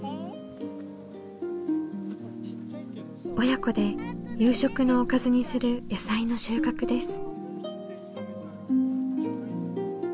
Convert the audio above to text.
親子で夕食のおかずにする野菜の収穫です。